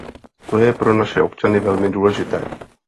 To je pro naše občany velmi důležité.